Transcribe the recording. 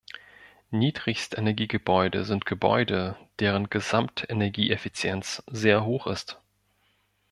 Niedrigstenergiegebäude sind Gebäude, deren Gesamtenergieeffizienz sehr hoch ist.